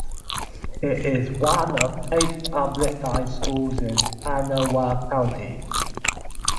It is one of eight public high schools in Kanawha County.